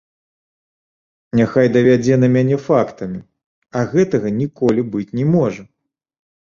Няхай давядзе на мяне фактамі, а гэтага ніколі быць не можа.